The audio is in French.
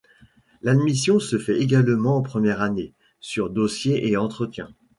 L'admission se fait également en première année, sur dossier et entretien.